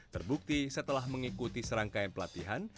terbukti setelah mengikuti serangkaian pelatihan